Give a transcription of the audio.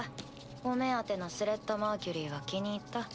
お目当てのスレッタ・マーキュリーは気に入った？